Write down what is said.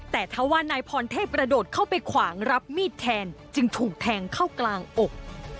แต่ถ้าว่านายพรเทพกระโดดเข้าไปขวางรับมีดแทนจึงถูกแทงเข้ากลางอก